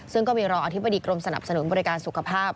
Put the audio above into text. ซึ่งก็มีรองอธิบดีกรมสนับสนุนบริการสุขภาพ